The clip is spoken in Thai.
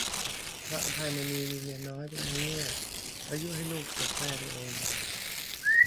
พระอภัยมณี มีเมียน้อยเป็นนางเงือก แล้วยุให้ลูกเกลียดแม่ตัวเอง